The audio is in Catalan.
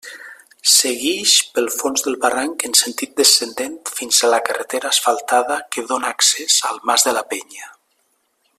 Seguix pel fons del barranc en sentit descendent fins a la carretera asfaltada que dóna accés al Mas de la Penya.